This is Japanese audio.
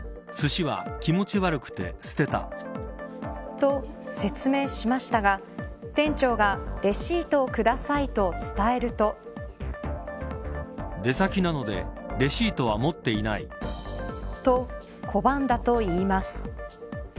と説明しましたが店長がレシートをくださいと伝えると。と拒んだといいます。